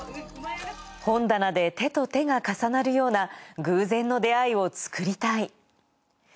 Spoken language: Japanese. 本棚で手と手が重なるような偶然の出会いをつくりたい。